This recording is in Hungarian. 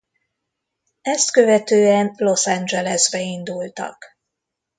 Ezt követően Los Angelesbe indultak.